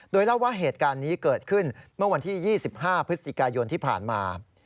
โดยเล่าว่าเหตุการณ์นี้เกิดขึ้นเมื่อวันที่๒๕พฤศจิกายนที่ผ่านมา